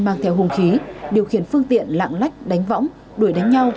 mang theo hung khí điều khiển phương tiện lạng lách đánh võng đuổi đánh nhau